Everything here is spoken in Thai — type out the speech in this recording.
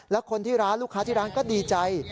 และคนที่ร้านลูกค้าที่ร้านก็ดีใจ